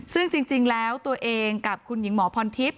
ซึ่งจริงแล้วตัวเองกับคุณหญิงหมอพรทิพย